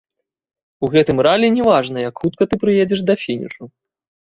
У гэтым ралі не важна, як хутка ты прыедзеш да фінішу.